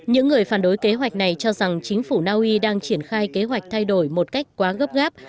những người phản đối kế hoạch này cho rằng chính phủ naui đang triển khai kế hoạch thay đổi một cách quá gấp gáp